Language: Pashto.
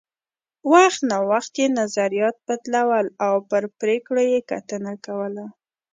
وخت نا وخت یې نظریات بدلول او پر پرېکړو یې کتنه کوله